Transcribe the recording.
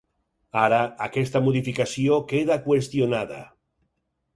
Ara, aquesta modificació queda qüestionada.